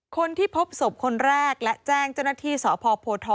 คนที่พบศพคนแรกและแจ้งเจ้าหน้าที่สพโพท